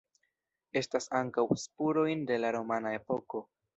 Estas ankaŭ spurojn de la romana epoko.